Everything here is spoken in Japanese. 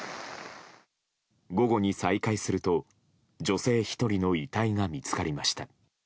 午後に再開すると女性１人の遺体が見つかりました。